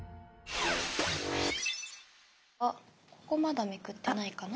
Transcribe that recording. あここまだめくってないかな？